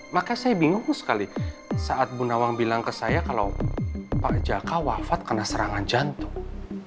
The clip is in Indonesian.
maka saya bingung sekali saat bu nawang bilang ke saya kalau pak jaka wafat karena serangan jantung